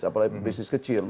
apalagi pebisnis kecil